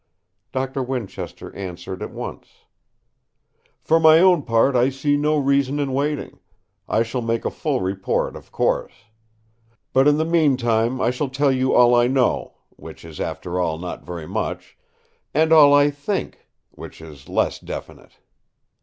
Doctor Winchester answered at once: "For my own part I see no reason in waiting. I shall make a full report of course. But in the meantime I shall tell you all I know—which is after all not very much, and all I think—which is less definite.